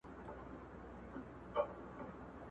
چي دا درېيمه مانا د استعمارګر